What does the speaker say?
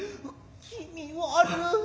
気味悪る。